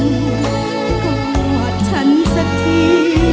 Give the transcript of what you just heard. ขอบคุณฉันสักที